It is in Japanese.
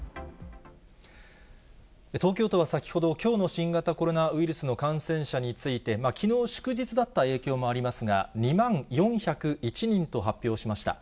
東京都は先ほど、きょうの新型コロナウイルスの感染者について、きのう祝日だった影響もありますが、２万４０１人と発表しました。